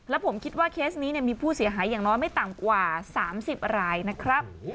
และผมคิดว่าเคสนี้มีผู้เสียหายอย่างน้อยไม่ต่ำกว่า๓๐รายนะครับ